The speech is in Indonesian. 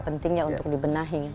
pentingnya untuk dibenahi